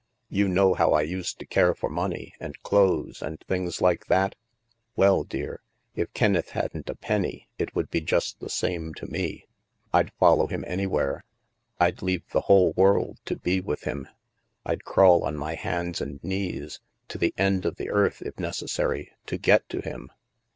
You know how I used to care for money, and clothes, and things like that? Well, dear, if Kenneth hadn't a penny, it would be just the same to me. Td follow him anywhere ; Fd leave the whole world to be with him ; rd crawl on my hands and knees, to the end of the earth, if necessary, to get to him.